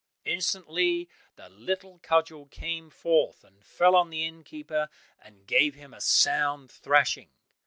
Instantly the little cudgel came forth, and fell on the inn keeper and gave him a sound thrashing.